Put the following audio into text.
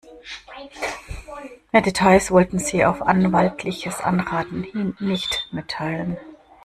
Mehr Details wollten sie auf anwaltliches Anraten hin nicht mitteilen.